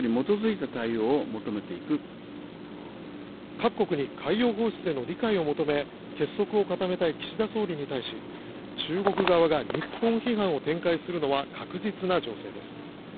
各国に海洋放出への理解を求め結束を固めたい岸田総理に対し中国側が日本批判を展開するのは確実な情勢です。